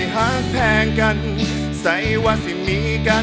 ขอบคุณมาก